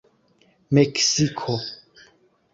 meksiko